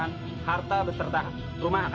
aku tadi beli ini nih mas